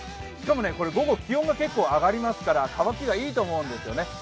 しかも午後、気温が結構上がりますから乾きがいいと思うんですね。